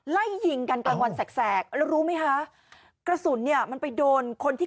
ไล่ยิงกันกลางวันแสกแล้วรู้ไหมคะกระสุนเนี่ยมันไปโดนคนที่